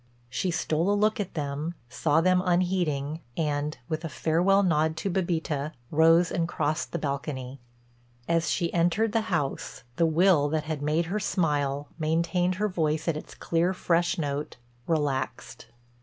She stole a look at them, saw them unheeding and, with a farewell nod to Bébita, rose and crossed the balcony. As she entered the house, the will that had made her smile, maintained her voice at its clear, fresh note, relaxed.